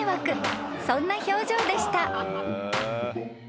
［そんな表情でした］